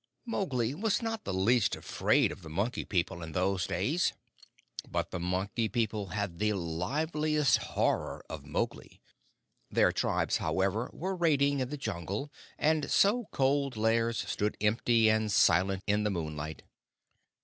Mowgli was not the least afraid of the Monkey People in those days, but the Monkey People had the liveliest horror of Mowgli. Their tribes, however, were raiding in the Jungle, and so Cold Lairs stood empty and silent in the moonlight.